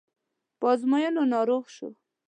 په ازموینو ناروغ شو.